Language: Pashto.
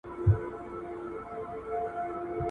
خرابه شوې هوږه باید ونه کارول شي.